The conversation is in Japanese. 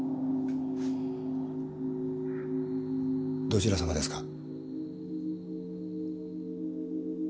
どちらさまですか？